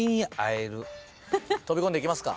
飛び込んでいきますか？